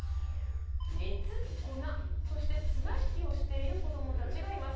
熱粉そして綱引きをしている子供たちがいます。